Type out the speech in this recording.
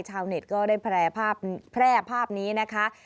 ชาวเน็ตก็ได้แพร่ภาพนี้นะคะ